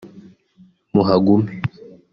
muhagume